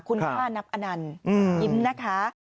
คุณค่านับอนันต์ยิ้มนะคะ